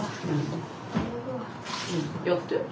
やって。